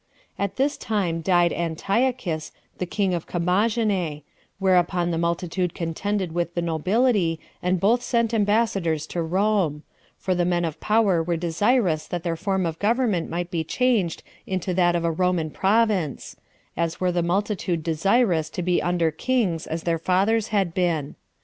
5. At this time died Antiochus, the king of Commagene; whereupon the multitude contended with the nobility, and both sent ambassadors to [Rome]; for the men of power were desirous that their form of government might be changed into that of a [Roman] province; as were the multitude desirous to be under kings, as their fathers had been.